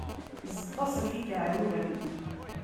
Ẓeṭṭes ɣef ikaɛruren!